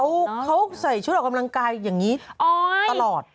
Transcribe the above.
เขาใส่ชุดออกกำลังกายอย่างนี้ตลอด